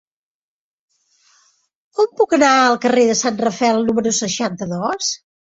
Com puc anar al carrer de Sant Rafael número seixanta-dos?